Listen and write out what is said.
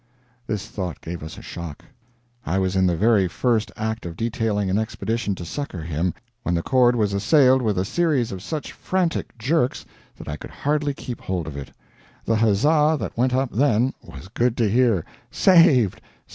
This thought gave us a shock. I was in the very first act of detailing an Expedition to succor him, when the cord was assailed with a series of such frantic jerks that I could hardly keep hold of it. The huzza that went up, then, was good to hear. "Saved!